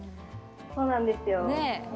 そうなんですよ。